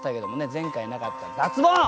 前回なかった脱ボン！